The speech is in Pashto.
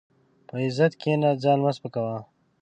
په عزت کښېنه، ځان مه سپکاوه.